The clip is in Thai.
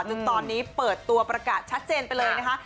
จนตอนนี้เปิดตัวประกาศชัดเจนไปเลยนะคะ